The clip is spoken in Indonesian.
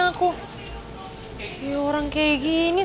gak ada yang yang mau